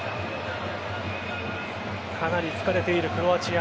かなり疲れているクロアチア